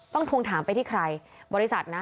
ทวงถามไปที่ใครบริษัทนะ